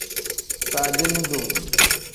Faadini duu.